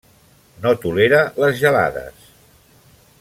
No tolera les gelades.